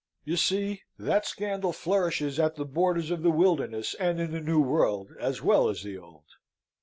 You see that scandal flourishes at the borders of the wilderness, and in the New World as well as the Old."